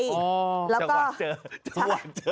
จังหวัดเจอ